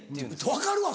分かるわ！